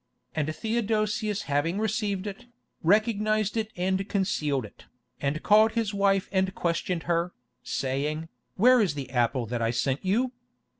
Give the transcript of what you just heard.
And Theodosius having received it, recognized it and concealed it, and called his wife and questioned her, saying, 'Where is the apple that I sent you?